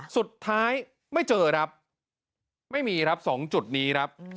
สุดท้ายไม่เจอครับไม่มีครับ๒จุดนี้ครับ